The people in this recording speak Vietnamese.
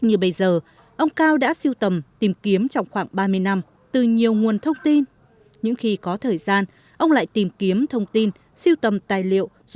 những bức ảnh siêu tầm được ông tìm hiểu rõ nội dung thời gian hoạt động của bác